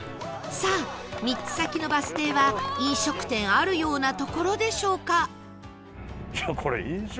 さあ３つ先のバス停は飲食店あるような所でしょうか？